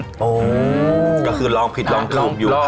ก็คือลองผิดลองถูกอยู่